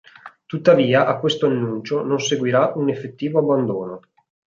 Tuttavia, a questo annuncio non seguirà un effettivo abbandono.